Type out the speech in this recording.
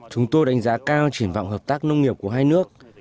chúng tôi đánh giá cao triển vọng hợp tác nông nghiệp của hai nước